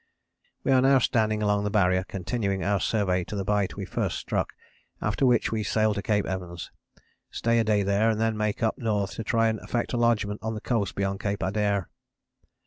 "We are now standing along the Barrier continuing our survey to the bight we first struck, after which we sail to Cape Evans, stay a day there and then make up North to try and effect a lodgment on the coast beyond Cape Adare.